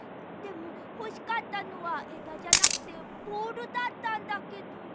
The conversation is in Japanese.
でもほしかったのはえだじゃなくてボールだったんだけど。